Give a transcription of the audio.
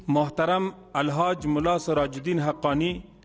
muhtaram al haj mullah surajuddin haqqani